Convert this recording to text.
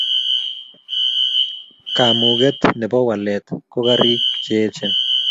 Kamuket nebo walet ko karik che echen